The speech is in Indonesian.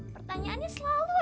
pertanyaannya selalu aja aneh